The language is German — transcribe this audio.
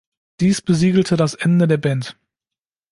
Dies besiegelte das Ende der Band.